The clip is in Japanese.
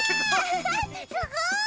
すごい！